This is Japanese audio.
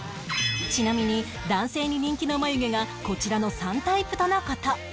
ちなみに男性に人気の眉毛がこちらの３タイプとの事